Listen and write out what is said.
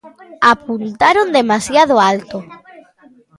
Apuntaron demasiado alto.